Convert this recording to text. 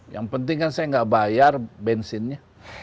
yang penting kan saya nggak bayar bensinnya